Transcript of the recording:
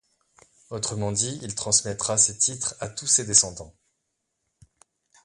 Autrement dit, il transmettra ses titres à tous ses descendants.